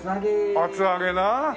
厚揚げな。